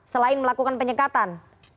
selain melakukan penyekatan